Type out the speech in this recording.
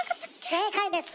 正解です。